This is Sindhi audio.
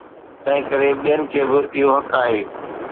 تنهنڪري ٻين کي به اهو حق آهي.